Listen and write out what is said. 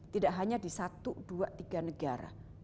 tidak hanya di satu dua tiga negara